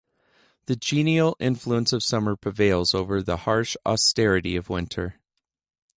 The genial influence of summer prevails over the harsh austerity of winter.